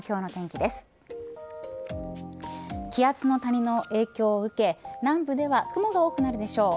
気圧の谷の影響を受け南部では雲が多くなるでしょう。